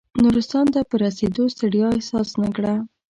نورستان ته په رسېدو ستړیا احساس نه کړه.